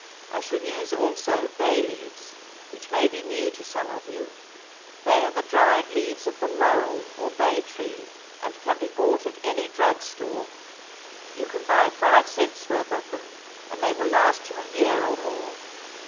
I shall use also bay leaves, which may be new to some of you; they are the dried leaves of the laurel or bay tree, and can be bought at any drug store. You can buy five cents' worth of them and they will last you a year or more.